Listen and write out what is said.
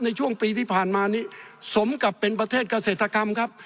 ในช่วงปีที่ผ่านมานี้สมกับเป็นประเทศเกษตรกรรมครับ